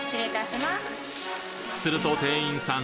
すると店員さん